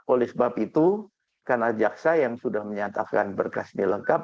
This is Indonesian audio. oleh sebab itu karena jaksa yang sudah menyatakan berkas ini lengkap